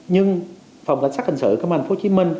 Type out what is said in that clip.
nhưng phòng cảnh sát hình sự công an thành phố hồ chí minh